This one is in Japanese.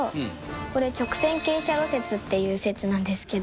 これ、直線傾斜路説っていう説なんですけど。